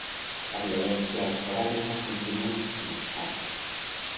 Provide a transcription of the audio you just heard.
La violencia esporádica continuó, no obstante.